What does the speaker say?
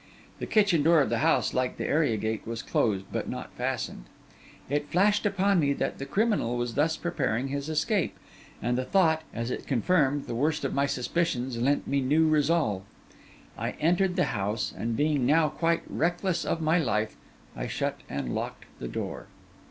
The kitchen door of the house, like the area gate, was closed but not fastened. It flashed upon me that the criminal was thus preparing his escape; and the thought, as it confirmed the worst of my suspicions, lent me new resolve. I entered the house; and being now quite reckless of my life, I shut and locked the door.